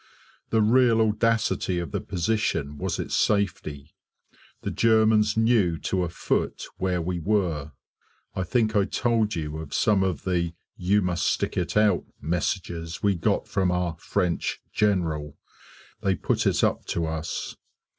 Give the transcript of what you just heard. The real audacity of the position was its safety; the Germans knew to a foot where we were. I think I told you of some of the "you must stick it out" messages we got from our [French] General, they put it up to us.